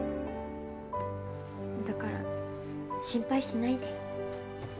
だから心配しないで。